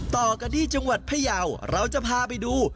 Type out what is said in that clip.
ต่อกันที่จังหวัดพยาวเราจะพาไปดู